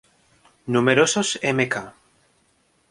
Numerosos Mk.